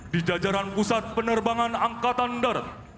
di jajaran pusat penerbangan angkatan darat